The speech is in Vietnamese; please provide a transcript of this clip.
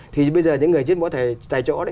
thì bây giờ những người giết mổ tại chỗ